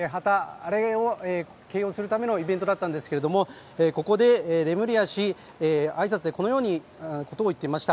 あれを掲揚するためのイベントだったんですけどもここでレムリヤ氏、挨拶でこのようなことを言っていました。